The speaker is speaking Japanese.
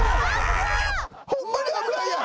ホンマに危ないやん。